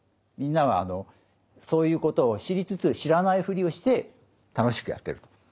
みんなはそういうことを知りつつ知らないふりをして楽しくやってると。